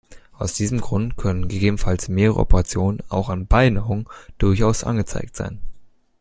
Aus diesem Grund können gegebenenfalls mehrere Operationen, auch an beiden Augen, durchaus angezeigt sein.